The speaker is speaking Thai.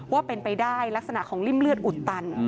ว่าเป็นไปได้ลักษณะของริ่มเลือดอุดตัน